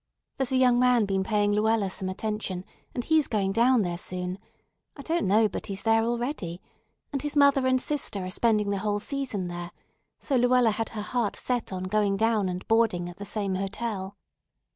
There's a young man been paying Luella some attention, and he's going down there soon; I don't know but he's there already; and his mother and sister are spending the whole season there; so Luella had her heart set on going down and boarding at the same hotel."